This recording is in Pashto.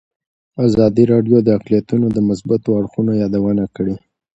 ازادي راډیو د اقلیتونه د مثبتو اړخونو یادونه کړې.